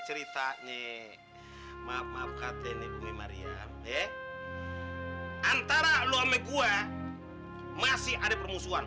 ceritanya maaf maaf katanya umi mariam deh antara lu ama gua masih ada permusuhan